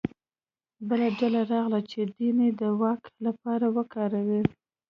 بله ډله راغله چې دین یې د واک لپاره وکاروه